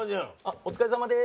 お疲れさまでーす。